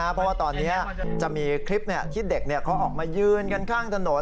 เพราะว่าตอนนี้จะมีคลิปที่เด็กเขาออกมายืนกันข้างถนน